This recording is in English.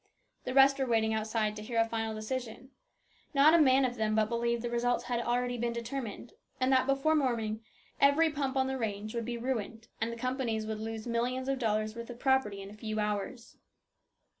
The rest were waiting outside to hear a final decision. Not a man of them but believed the result had already been determined, and that before morning every pump on the range would be ruined and the companies would lose millions of dollars' worth of property in a few hours.